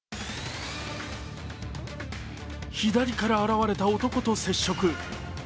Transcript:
左から現れた男と接触。